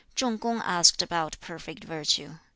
Chung kung asked about perfect virtue.